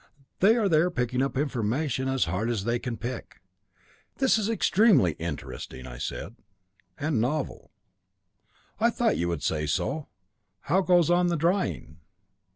They are there picking up information as hard as they can pick." "This is extremely interesting," said I, "and novel." "I thought you would say so. How goes on the drying?"